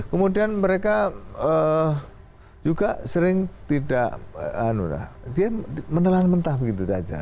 kemudian mereka juga sering tidak dia menelan mentah begitu saja